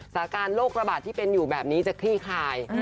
สาการโรคระบาดที่เป็นอยู่แบบนี้จะคลี่คลาย